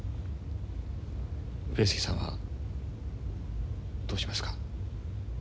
上杉さんはどうしますか？